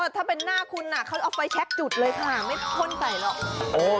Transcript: ถ้าเป็นหน้าคุณเขาเอาไฟแชคจุดเลยค่ะไม่พ่นใส่หรอก